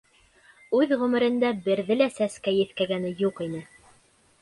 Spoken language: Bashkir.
Үҙ ғүмерендә берҙе лә сәскә еҫкәгәне юҡ ине.